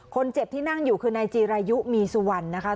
คนเจ็บที่นั่งอยู่คือนายจีรายุมีสุวรรณนะคะ